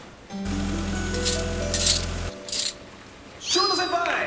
翔太先輩！